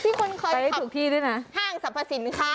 ที่คุณเคยเข้าขายถูกที่ด้วยนะห้างสรรพสินค้า